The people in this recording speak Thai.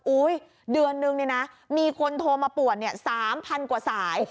เดือนนึงเนี่ยนะมีคนโทรมาป่วน๓๐๐กว่าสาย